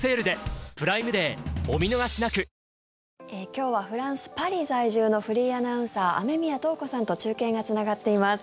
今日はフランス・パリ在住のフリーアナウンサー雨宮塔子さんと中継がつながっています。